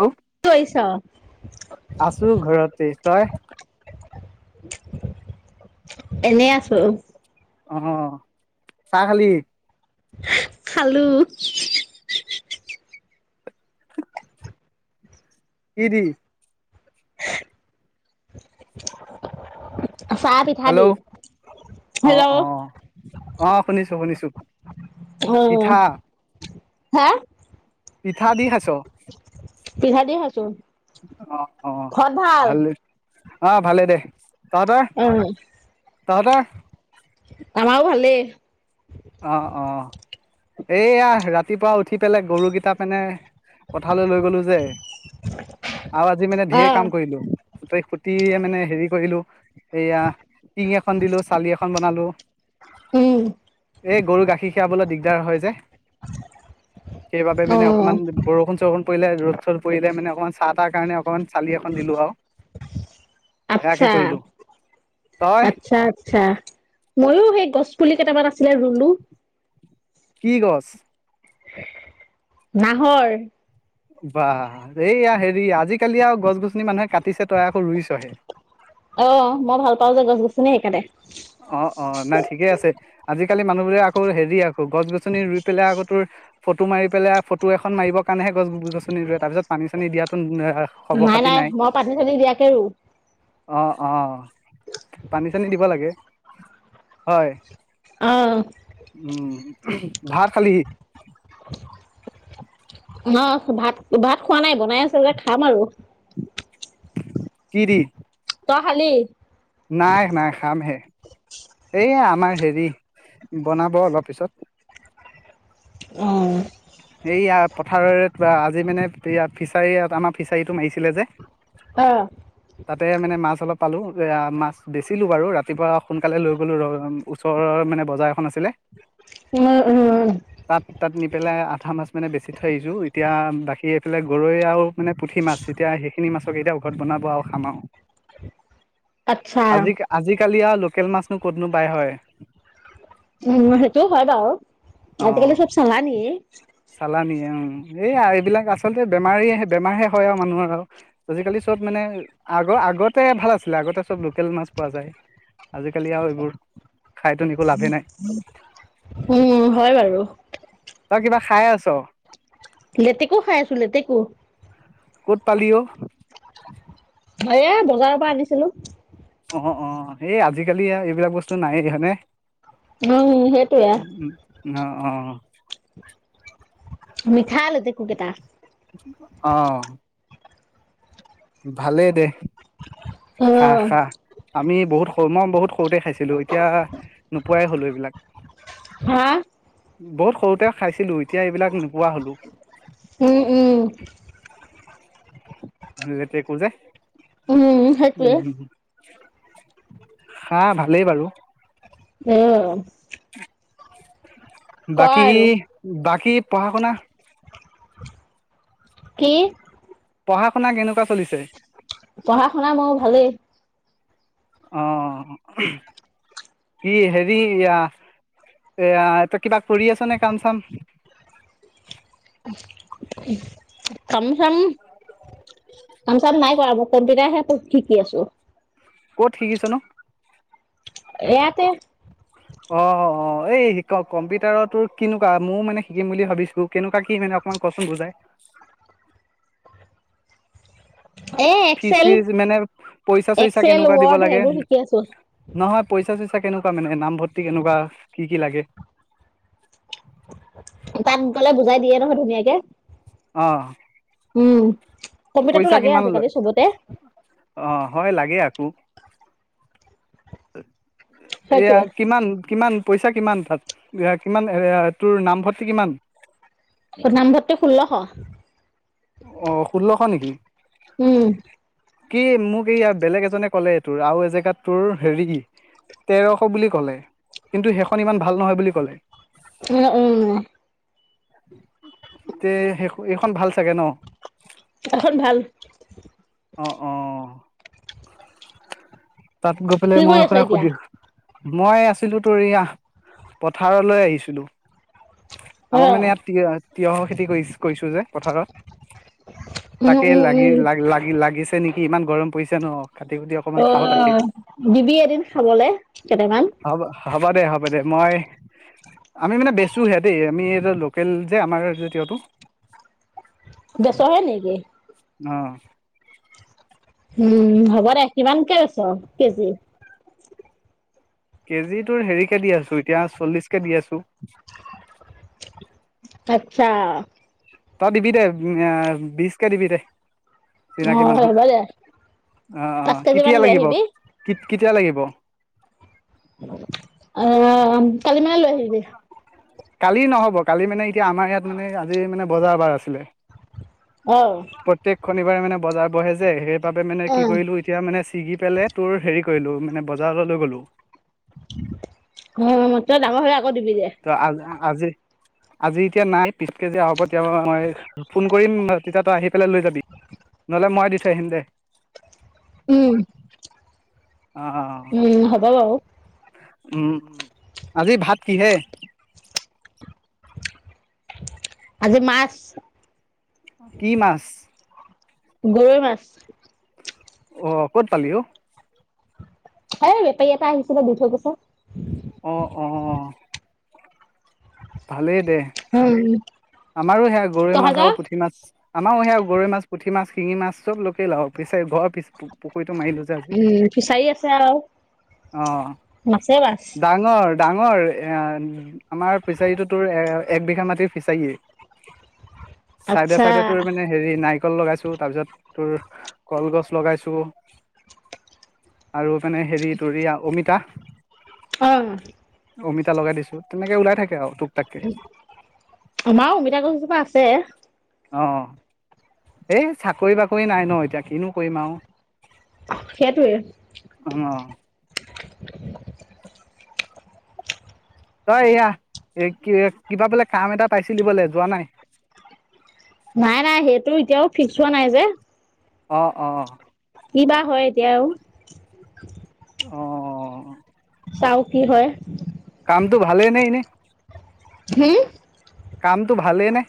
Hello টো আছো ঘৰতে তই [unintelligible] এনেই আছো। অহ, চাহ খালি? খালো কি দি? [inaudible] চাহ-পিঠা হেল্ল' দি, অ হেল্ল'। অ অ', শুনিছোঁ শুনিছোঁ। অ', হা পিঠা দি খাইছ? পিঠা দি খাইছো। অ', অ', ঘৰত ভাল? ভালেই। অ', ভালেই দে। অ', তহঁতৰ আমাৰো ভালেই। অ', অ'। এইয়া ৰাতিপুৱা উঠি পেলাই, গৰুকেইটাৰ কাৰণে পথাৰলৈ লৈ গ'লোঁ যে আৰু আজি মানে অ ঢেৰ কাম কৰিলো, গোটেই খুটিয়ে মানে, হেৰি কৰিলো এইয়া টিং এখন দিলো, চালি এখন বনালো উম। এই গৰু গাখীৰ খীৰাবলৈ দিগদাৰ হয় যে, সেইবাবে অ মানে অকণমান বৰষুণ-চৰষুণ পৰিলে, ৰ'দ-চ'দ পৰিলে, মানে অকণমান, চা-তা কাৰণে অকণমান, চালি এখন দিলোঁ আৰু সেয়াকে আচ্ছা, আ কৰিলো তই আচ্ছা, আচ্ছা, মইও সেই, গছপুলি কেইটামান আছিলে, ৰুলো কি গছ? নাহৰ বাহ, এইয়া হেৰি, আজিকালি আৰু গছ-গছনি মানুহে কাটিছে, তই আকৌ ৰুইছহে অ', মই ভাল পাওঁ যে গছ-গছনি, সেইকাৰণে অ', অ', নাই, ঠিকেই আছে। আজিকালি মানুহবোৰে আকৌ হেৰি আকৌ, গছ-গছনি ৰুই পেলাই আকৌ, তোৰ ফটো মাৰি পেলাই, ফটো এখন মাৰিবৰ কাৰণেহে গছ-গছনি ৰুৱে, তাৰপিছত পানী-চানী দিয়াটো আ নাই, নাই, মই পানী-চানী দিয়াকে ৰু অ', অ', পানী-চানী দিব লাগে, হয়। অ উম, ভাত খালি? [inaudible] [unintelligible] ভাত, ভাত খোৱা নাই, বনাই আছে যে, খাম আৰু কি দি? তই খালি? নাই, নাই, খামহে। এই আমাৰ হেৰি, বনাব অলপ পিছত অ'। এইয়া পথাৰৰে থোৱা, আজি মানে এইয়া ফিছাৰী, আমাৰ ফিছাৰীটো মাৰিছিল যে অ'। তাতে মানে মাছ অলপ পালো, এইয়া মাছ বেচিলো বাৰু, ৰাতিপুৱা সোনকালে লৈ গ'লো, ৰ ওচৰৰ মানে বজাৰ এখন আছিলে উ উ তাত তাত নি পেলাই পুঠা মাছ, মানে বেছি থৈ সজোঁ এতিয়া বাকী এইফালে গৰৈ, আৰু মানে পুঠি, মাছ এতিয়া মাছৰকেইটা ঘৰত বনাব আৰু খাম আৰু। [inaudible] আচ্ছা আজি আজিকালি আৰু লোকেল মাছনো ক'তনো পাই হয়? উ সেইটো হয় বাৰু ও অঁ আজি-কালি চব চালানি। চালানি উ এইয়া এইবিলাক আচলতে বেমাৰে বেমাৰহে হয় আৰু মানুহৰ আৰু। আজিকালি চব মানে আগৰ আগতে ভাল আছিলে আগতে চব লোকেল মাছ পোৱা যায়। আজিকালি আৰু এইবোৰ খাইতো একো লাভে নাই উম হয় বাৰু। তই কিবা খাই আছ? লেতেকু খাই আছো লেতেকু। ক'ত পালি অ? এ বজাৰৰ, পৰা আনিছিলো। অ অ হেই আজিকালি এইবিলাক বস্তু নাই হয় নে? উম সেইটোয়ে উম অহ অ। মিঠা লেটেকু, কেইটা। অ ভালেই দে অ খা, খা। আমি বহুত সৰু মই বহুত সৰুতে খাইছিলো এতিয়া নোপোৱাই হলো এইবিলাক। হা? বহুত সৰুতে খাইছিলো এতিয়া এইবিলাক নোপোৱা হলো। ওম উম। লেটেকু, যে উম সেইটোৱে উম হা ভালেই বাৰু। আহ ক আৰু বাকী- বাকী পঢ়া শুনা কি? পঢ়া শুনা কেনেকুৱা চলিছে? পঢ়া শুনা মোৰ ভালেই। অ কি হেৰি এ এ কিবা কৰি আছ নে কাম চাম? কম চাম কাম চাম নাই কৰা মই কম্পিউটাৰহে, শিকি আছো। ক'ত শিকিছ নো? এয়াতে অ অ অ এই শিক কম্পিউটাৰৰ, তোৰ কেনেকুৱা ময়ও মানে শিকিম বুলি ভাবিছো। কেনেকুৱা কি মানে অকমান কচোন বুজাই। এ ফিজ- এক্সেল চিজ মানে পইচা- চইচা এক্সেল কেনেকুৱা দিব ৱৰ্ড লাগে। সেইবোৰ শিকি আছো নহয় পইচা চইচা কেনেকুৱা মানে নামভৰ্তি, কেনেকুৱা কি কি লাগে। তাত গলে বুজাই দিয়ে নহয় ধুনীয়াকে অ উম' কম্পিউটাৰটো পইচা লাগে কিমান আজিকালি লয়? চবতে অ হয় লাগে, আকৌ এইয়া সেইটোৱে কিমান কিমান? পইচা কিমান তাত, কিমান তোৰ নামভৰ্তি কিমান? নামভৰ্তি ষোল্লশ। অ ষোল্লশ নেকি। উম। কি মোক এইয়া বেলেগ এজনে ক'লে, এই তোৰ আৰু এ জেগাত তোৰ হেৰি। তেৰশ বুলি কলে কিন্তু সেইখন ইমান ভাল নহয় বুলি কলে। উম উম। তে, এ সেই এইখন ভাল চাগে ন। এখন ভাল। অঁ অঁ। তাত গৈ পেলাই কি মই কৰি আছ হ এতিয়া সুধো। মই আছিলো তোৰ এইয়া, পথাৰলৈ আহিছিলো। অ আমাৰ মানে ইয়াত তিয়হ তিঁয়হৰ খেতি কৰি কৰিছো যে পথাৰত। উম তাকে উম লাগি উম ল লাগি লাগিছে নেকি, ইমান গৰম পৰিছে ন কাটি কুটি অ। অকমান খাও অ, তাকে। দিবি এদিন খাবলে কেইটামান। হ'ব হ'ব দে হ'ব দে মই, আমি মানে বেচোহে দেই, আমি এ লোকেল যে আমাৰ যে তিয়হটো। বেচো হে নেকি? অহ। উম হ'ব দে কিমানকে বেছ, কেজি? কেজি তোৰ হেৰিকে দি আছো, এতিয়া চল্লিশ কে দি আছো। আচ্ছা। তই দিবি দে বিশ কে দিবি দে। চিনাকি অ মানুহ হ'ব দে অ পাঁচ অঁ, কেজি মান কেতিয়া লৈ লাগিব আহিবি কেতিয়া লাগিব? অ কালি মানে লৈ আহিবি। কালি নহ'ব কালি মানে এতিয়া আমাৰ ইয়াত মানে আজি মানে বজাৰ এ বাৰ আছিলে। অ, প্ৰত্যেক শনিবাৰে মানে বজাৰ বহে যে, সেইবাবে মানে অ কি কৰিলো, এতিয়া মানে ছিগি পেলাই তোৰ হেৰি কৰিলো, মানে বজাৰলৈ লৈ গ'লো। অ মই, তই ডাঙৰ হৈ আকৌ দিবি যে। ত আজ - আজি, আজি এতিয়া নাই পিছকে [unintelligible] যেতিয়া হ'ব, তেতিয়া মই ফোন কৰিম তেতিয়া তই আহি পেলাই লৈ যাবি। নহ'লে মই দি থৈ আহিম দে। উম। অ উম হ'ব বাৰু। উম, আজি ভাত কিহে? আজি মাছ। কি মাছ? গৰৈ মাছ। অ ক'ত পালি অঁ। এই বেপাৰী এটা আহিছিলে, দি থৈ গৈছে। অ', -অ'। ভালেই দে। উম। আমাৰো সেয়া গৰৈ মাছ আৰু তহঁতৰ? পুঠি মাছ। আমাৰ সেয়া গৰৈ মাছ, পুঠি মাছ, শিঙি মাছ চব লোকেই লাওঁ পিছে ঘৰ পিছ পুখুৰীটো মাৰিলো যে আজি। উম, ফিচাৰী আছে আৰু অ', মাছে মাছ। দ ডাঙৰ-ডাঙৰ আমাৰ ফিচাৰীটো তোৰ এক বিঘা মাটিৰ ফিচাৰীয়ে। আচ্ছা। চাইডে-চাইডে তোৰ মানে হেৰি নাৰিকল লগাইছো তাৰ পিছত, তোৰ কলগছ লগাইছো। আৰু মাননে হেৰি তৰিয়া অমিতা। অঁ। অমিতা লগাই দিছো, তেনেকে ওলাই থাকে আৰু তোক। তাককে আমাৰো অমিতা গছজোপা আছে। অ', এই চাকৰি-বাকৰি নাই ন, এতিয়া কিনো কৰিম আৰু। সেইটোৱে। অ'। তই এইয়া, কি-কিবা বোলে কাম এটা পাইছিলি বোলে যোৱা নাই। নাই-নাই সেইটো এতিয়াও ফিক্স হোৱা নাই যে। অ', - অ',। কিবা হয় এতিয়া আৰু। অ'। চাওঁ কি হয়। কামতটো ভালে নে এনে? হম? কামটো ভালেইনে?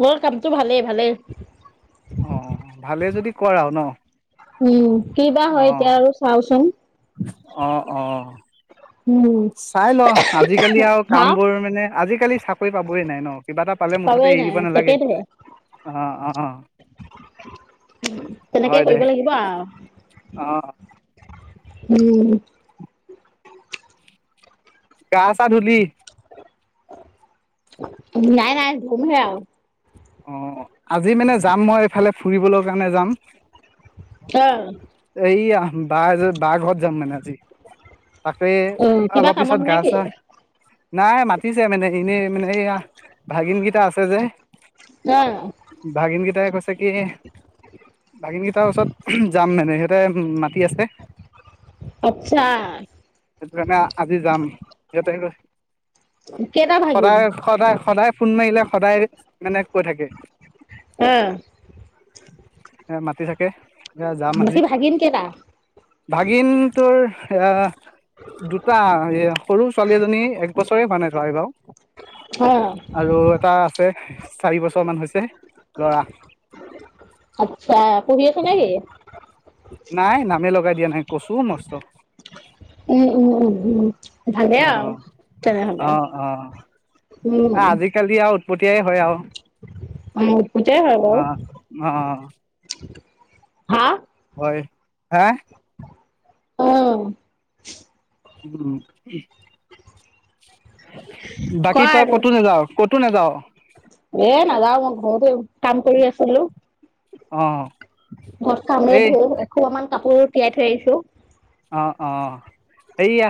মোৰ কামটো ভালেই-ভালেই। অ', ভালে যদি কৰ আৰু ন। উম, কি বা অ হয় এতিয়া আৰু চাওচোন। অ', -অ',। উম। চাই ল আজি-কালি আৰু হা কাম বোৰ মানে আজি-কালি চাকৰি পাবই নাই ন কিবা এটা পালে মুঠতে এৰি দিব নালাগে। সেইটোৱে। অ', - অ'। হয় তেনেকে দে কৰিব লাগিব আৰু। অ'। উম। গা- চা ধুলি? নাই-নাই ধুম হে আৰু। অ', আজি মানে যাম মই এইফালে ফুৰিবলৈ কাৰণে যাম। ক'ত? এই আহ', বাহ -বাহ ঘৰত যাম মানে আজি। তাকে, অ কিবা অলপ পিছত কামত নে কি? গা-চা নাই মাতিছে মানে এনেই মানে এইয়া, ভাগিন কেইটা আছে যে। অঁহ। ভাগিন গিটাই কৈছে কি। ভাগিনকেইটাৰ ওচৰত যাম মানে সিহঁতে মাতি আছে। আচ্ছা। সেইটো কাৰণে আজি যাম। সিহঁতে কিন্তু কেইটা ভাগিন সদায় সদায় সদায় ফোন মাৰিলে সদায় মানে কৈ থাকে। এ মাতি থাকে, এতিয়া যাম। আজি বাকী, ভাগিন কেইটা? ভাগিন তোৰ এ দুটা। এ সৰু ছোৱালী এজনী এক বছৰে হোৱা নাই ধৰ এই বাৰু। হয়। আৰু এটা আছে চাৰি বছৰ মান হৈছে, ল'ৰা। আচ্ছা, পঢ়ি আছে নে কি? নাই, নামেই লগাই দিয়া নাই, কচু মষ্ট। উম, উম, উম, উম, উম। হ', অ', অ' উম আজিকালি আৰু উটপতিয়াই হয় আৰু, গোটেই হয় বাৰু অ' অ'। হা'। হয়, হা'। অ'। উ [unintelligible] বাকী, কোৱা তই আৰু ক'তো নাযাৱ ক'তো নাযাৱ? এ নাযাওঁ মই ঘৰতে কাম কৰি আছিলো। অঁ। ঘৰত কামেই বহুত, এসোপামান কাপোৰ তিয়াই থৈ আহিছো। অ', অ'। এইয়া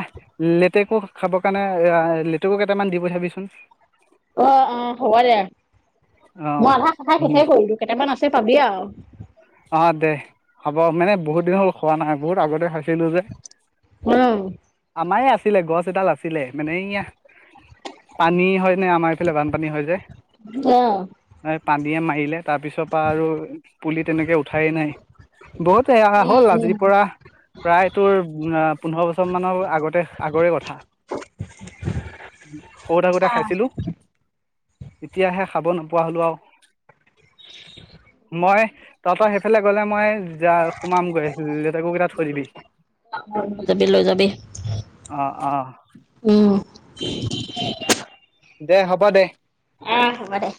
লেতেকু খাবৰ কাৰণে লেতেকু কেইটামান দি পঠাবিচোন। অ', অ' হ'ব দে অ মই আধা খাই শেষেই কৰিলো, কেইটামান আছে পাবি আৰু। অ' দে, হ'ব মানে বহুত দিন হ'ল খোৱা নাই, বহুত আগতে খাইছিলো যে। কৰো। আমাৰে আছিলে গছ এডাল আছিলে। মানে এইয়া পানী হয় নে আমাৰ এইফালে বানপানী হয় যে। অ'। পানীয়ে মাৰিলে, তাৰ পিছৰ পৰা আৰু পুলি তেনেকে উঠাই নাই। বহুত এৰি অহা উম হ'ল। আজিৰ পৰা প্ৰায় তোৰ পোন্ধৰ বছৰ মানৰ আগতে আগৰে কথা। [unintelligible] সৰু থাকোতে খাইছিলো। এতিয়াহে খাব নোপোৱা হ'লো আৰু। মই তহঁতৰ সেইফালে গ'লে মই য সোমামগৈ লেতেকু কেইটা থৈ দিবি। যাবি লৈ যাবি। অ', অ'। উম দে হ'ব দে। অ' হ'ব দে।